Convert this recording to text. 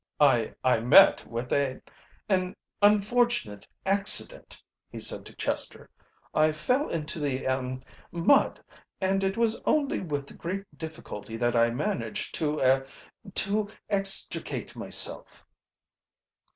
"I I met with an an unfortunate accident," he said to Chester. "I fell into the ahem mud, and it was only with great difficulty that I managed to er to extricate myself."